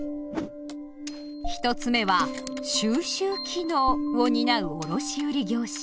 一つ目は「収集機能」を担う卸売業者。